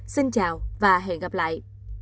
xin chào và hẹn gặp lại